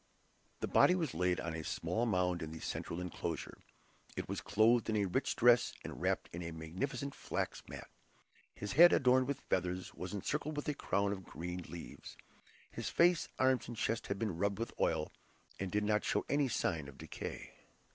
The body was laid on a small mound in the central enclosure. It was clothed in a rich dress, and wrapped in a magnificent flax mat. His head, adorned with feathers, was encircled with a crown of green leaves. His face, arms, and chest had been rubbed with oil, and did not show any sign of decay.